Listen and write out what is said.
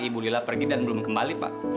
ibu lila pergi dan belum kembali pak